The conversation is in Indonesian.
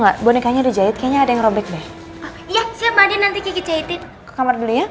gak bonekanya dijahit kayaknya ada yang robek deh ya nanti ke kamar dulu ya